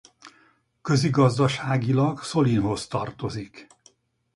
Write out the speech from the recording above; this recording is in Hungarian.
Közigazgatásilag Solinhoz tartozik.